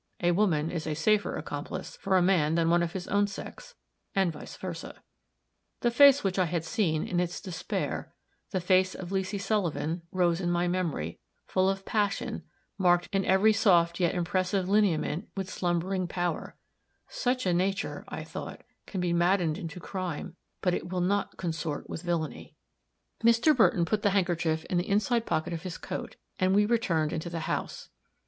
A woman is a safer accomplice for a man than one of his own sex and vice versa." The face which I had seen, in its despair, the face of Leesy Sullivan, rose in my memory, full of passion, marked in every soft yet impressive lineament with slumbering power "such a nature," I thought, "can be maddened into crime, but it will not consort with villainy." Mr. Burton put the handkerchief in the inside pocket of his coat, and we returned into the house.